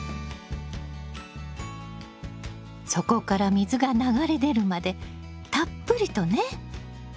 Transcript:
底から水が流れ出るまでたっぷりとね。